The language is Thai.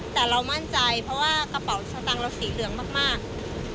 แต่เรามั่นใจเพราะว่ากระเป๋าสตางค์เราสีเหลืองมาก